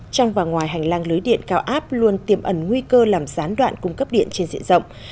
trong và ngoài hành lang lưới điện cao áp luôn tiềm ẩn nguy cơ làm gián đoạn cung cấp điện trên diện rộng